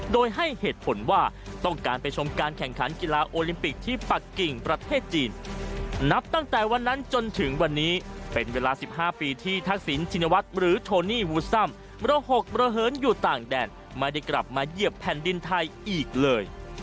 โดยให้เหตุผลว่าต้องการไปชมการแข่งขันกีฬาโอลิมปิกที่ปักกิ่งประเทศจีนนับตั้งแต่วันนั้นจนถึงวันนี้เป็นเวลา๑๕ปีที่ทักษิณชินวัฒน์หรือโทนี่วูซัมมรหกระเหินอยู่ต่างแดนไม่ได้กลับมาเหยียบแผ่นดินไทยอีกเลย